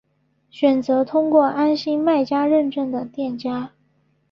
选择通过安心卖家认证的店家